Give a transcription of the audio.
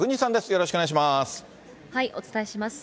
よろしくお願いします。